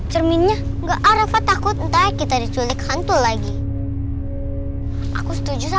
cerminnya enggak michael takut entah ya kita diculik hantu lagi aku setuju sama